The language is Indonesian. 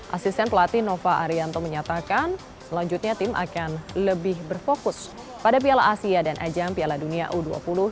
asisten pelatih nova arianto menyatakan selanjutnya tim akan lebih berfokus pada piala asia dan ajang piala dunia u dua puluh